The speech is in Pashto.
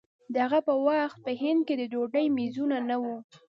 د هغه وخت په هند کې د ډوډۍ مېزونه نه وو.